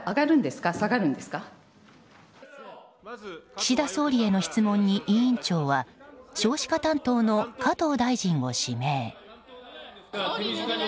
岸田総理への質問に、委員長は少子化担当の加藤大臣を指名。